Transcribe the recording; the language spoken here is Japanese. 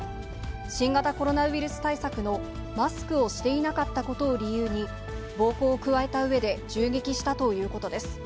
新型コロナウイルス対策のマスクをしていなかったことを理由に暴行を加えたうえで銃撃したということです。